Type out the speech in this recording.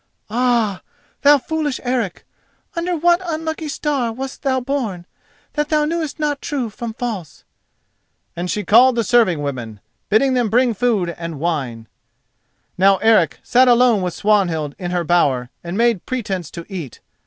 Ah! thou foolish Eric, under what unlucky star wast thou born that thou knewest not true from false?" and she called the serving women, bidding them bring food and wine. Now Eric sat alone with Swanhild in her bower and made pretence to eat.